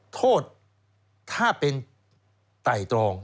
โทษถ้าเป็นไต่ตรอง